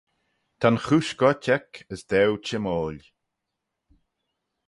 Ta'n chooish goit eck as daue çhymmoil.